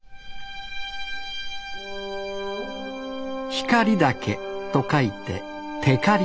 光岳と書いて光岳。